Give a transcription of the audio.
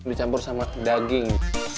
dicampur sama daging